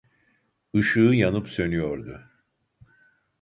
ışığı yanıp sönüyordu